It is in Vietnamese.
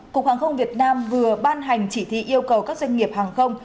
cục hàng không việt nam vừa ban hành chỉ thị yêu cầu các doanh nghiệp hàng không